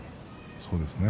そうですね。